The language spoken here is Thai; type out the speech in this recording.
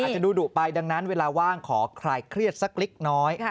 จะดูดุไปดังนั้นเวลาว่างขอคลายเครียดสักเล็กน้อย